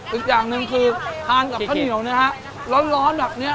อีกอย่างหนึ่งคือทานกับข้าวเหนียวเนี่ยฮะ